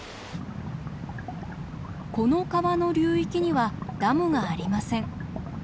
この川の流域にはダムがありません。